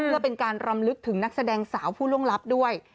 เพื่อเป็นการรำลึกถึงนักแสดงสาวผู้ล่วงลับด้วย